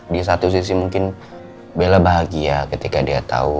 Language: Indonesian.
di satu sisi mungkin bela bahagia ketika dia tau